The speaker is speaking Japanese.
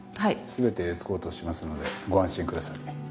全てエスコートしますのでご安心ください。